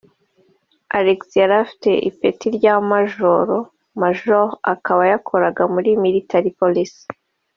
Alex yari afite ipeti rya Majoro [Major] akaba yakoraga muri Military police